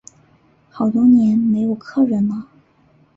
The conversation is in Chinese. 好多年没有客人了